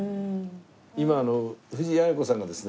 今藤あや子さんがですね